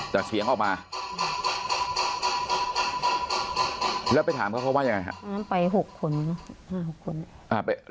แต่เสียงออกมาแล้วไปถามเค้าว่ายังไงครับไปหกคนห้าหกคน